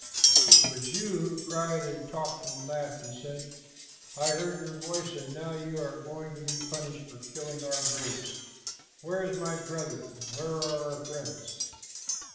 "It was you who cried and talked and laughed," he said. "I heard your voice and now you are going to be punished for killing our braves. Where is my brother, and where are our friends?"